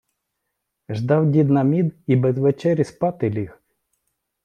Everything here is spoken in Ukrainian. Ждав дід на мід і без вечері спати ліг.